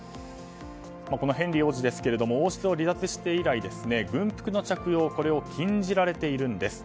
ヘンリー王子ですが王室を離脱して以来軍服の着用を禁じられているんです。